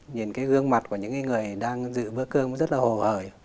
nhìn cái gương mặt của những người đang dự bữa cơm rất là hồ hởi